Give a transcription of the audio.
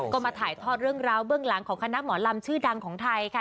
ก็มาถ่ายทอดเรื่องราวเบื้องหลังของคณะหมอลำชื่อดังของไทยค่ะ